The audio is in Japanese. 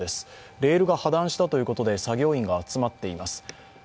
レールが破断したということで作業員が集まっています。